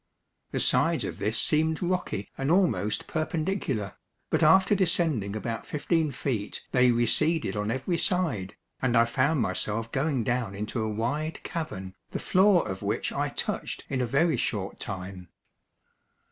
The sides of this seemed rocky and almost perpendicular, but after descending about fifteen feet they receded on every side, and I found myself going down into a wide cavern, the floor of which I touched in a very short time.